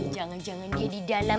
jangan jangan dia di dalam